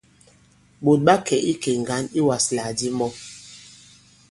Ɓòt ɓa kɛ̀ ikè ŋgǎn iwàslàgàdi mɔ.